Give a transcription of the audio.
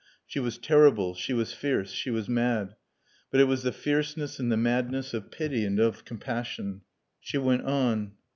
She was terrible; she was fierce; she was mad. But it was the fierceness and the madness of pity and of compassion. She went on.